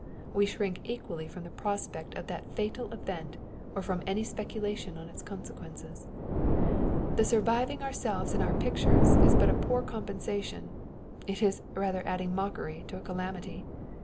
We shrink equally from the prospect of that fatal event or from any speculation on its consequences. The surviving our selves in our pictures is but a poor compensation â€" it is rather adding mockery to a calamity.